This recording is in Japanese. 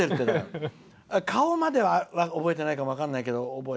顔までは覚えてないかも分かんないけど。